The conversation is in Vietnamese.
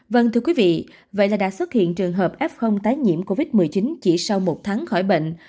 vâng thưa quý vị vậy là đã xuất hiện trường hợp f tái nhiễm covid một mươi chín chỉ sau một tháng khỏi bệnh